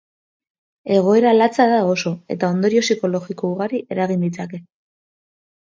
Egoera latza da oso eta ondorio psikologiko ugari eragin ditzake.